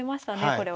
これは。